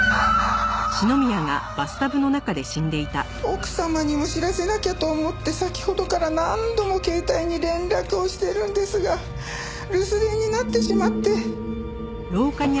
奥様にも知らせなきゃと思って先ほどから何度も携帯に連絡をしてるんですが留守電になってしまって。